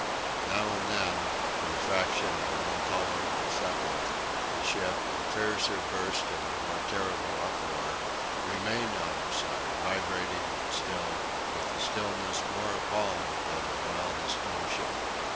Now and then, for the fraction of an intolerable second, the ship, in the fiercer burst of a terrible uproar, remained on her side, vibrating and still, with a stillness more appalling than the wildest motion.